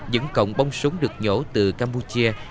những cọng bông súng được nhổ từ campuchia